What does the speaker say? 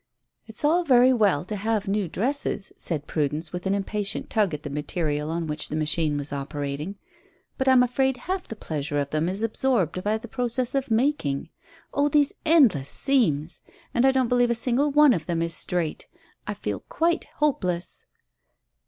"It's all very well to have new dresses," said Prudence, with an impatient tug at the material on which the machine was operating, "but I'm afraid half the pleasure of them is absorbed by the process of 'making.' Oh, these endless seams! And I don't believe a single one of them is straight. I feel quite hopeless."